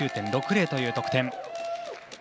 ６９．６０という得点。